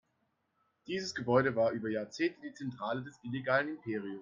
Dieses Gebäude war über Jahrzehnte die Zentrale des illegalen Imperiums.